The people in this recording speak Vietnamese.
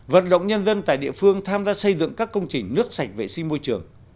vận động nhân dân tại địa phương tham gia xây dựng các công trình nước sạch vệ sinh môi trường